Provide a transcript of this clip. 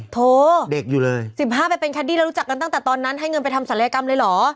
โถเด็กอยู่เลย๑๕ไปเป็นแคดดี้แล้วรู้จักกันตั้งแต่ตอนนั้นให้เงินไปทำศัลยกรรมเลยเหรอ